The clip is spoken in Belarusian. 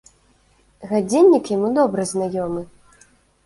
Гадзіннік яму добра знаёмы.